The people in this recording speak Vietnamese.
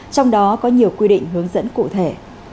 trong đó có nhiều quy định hướng dẫn cụ thể